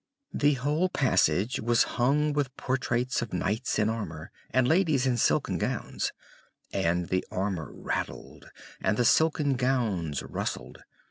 The whole passage was hung with portraits of knights in armor, and ladies in silken gowns; and the armor rattled, and the silken gowns rustled!